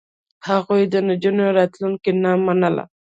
هغوی د نجونو راتلونکې نه منله.